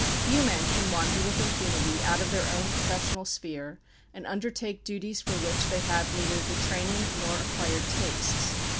Few men can wander with impunity out of their own professional sphere, and undertake duties for which they have neither the training nor acquired tastes.